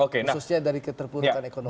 khususnya dari keterputukan ekonomi